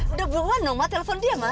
udah beruan ma telepon dia ma